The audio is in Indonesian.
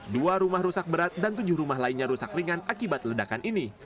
dua rumah rusak berat dan tujuh rumah lainnya rusak ringan akibat ledakan ini